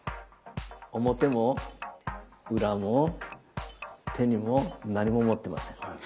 表も裏も手にも何も持ってません。